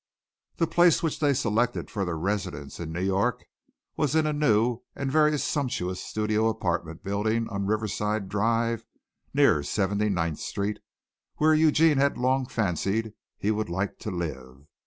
The place which they selected for their residence in New York was in a new and very sumptuous studio apartment building on Riverside Drive near Seventy ninth Street, where Eugene had long fancied he would like to live.